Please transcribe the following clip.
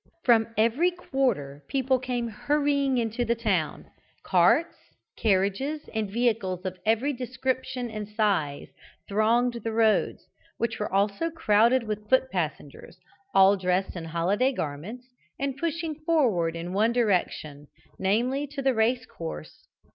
From every quarter people came hurrying into the town; carts, carriages and vehicles of every description and size thronged the roads, which were also crowded with foot passengers, all dressed in holiday garments, and pushing forward in one direction, namely, to the race course.